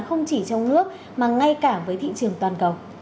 không chỉ trong nước mà ngay cả với thị trường toàn cầu